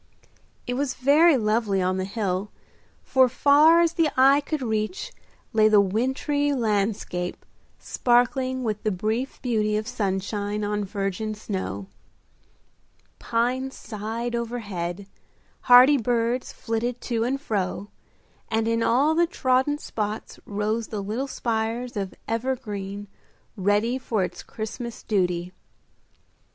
It was very lovely on the hill, for far as the eye could reach lay the wintry landscape sparkling with the brief beauty of sunshine on virgin snow. Pines sighed overhead, hardy birds flitted to and fro, and in all the trodden spots rose the little spires of evergreen ready for its Christmas duty.